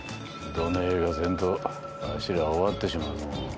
どねぇかせんとわしら終わってしまうのう。